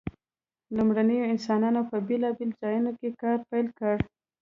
لومړنیو انسانانو په بیلابیلو ځایونو کې کار پیل کړ.